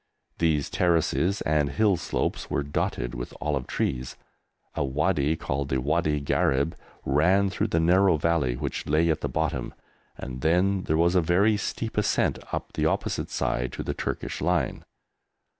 These terraces and hill slopes were dotted with olive trees. A wadi, called the Wadi Gharib, ran through the narrow valley which lay at the bottom, and then there was a very steep ascent up the opposite side to the Turkish line.